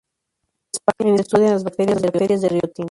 En España, se estudian las bacterias de Río Tinto.